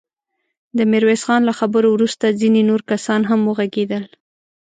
د ميرويس خان له خبرو وروسته ځينې نور کسان هم وغږېدل.